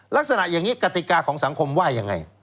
ลักษณะอย่างนี้กติกาของสังคมว่ายังไง